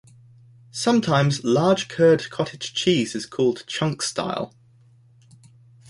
Sometimes large-curd cottage cheese is called chunk style.